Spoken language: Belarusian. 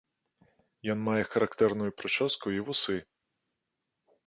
Ён мае характэрную прычоску і вусы.